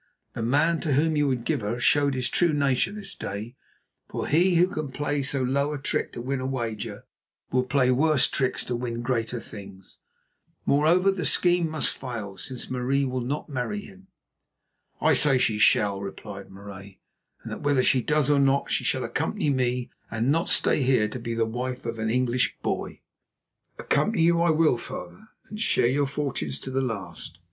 The man to whom you would give her showed his true nature this day, for he who can play so low a trick to win a wager, will play worse tricks to win greater things. Moreover, the scheme must fail since Marie will not marry him." "I say she shall," replied Marais; "and that whether she does or not, she shall accompany me and not stay here to be the wife of an English boy." "Accompany you I will, father, and share your fortunes to the last.